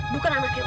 bukan anaknya om